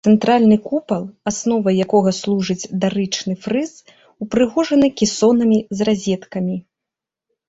Цэнтральны купал, асновай якога служыць дарычны фрыз, упрыгожаны кесонамі з разеткамі.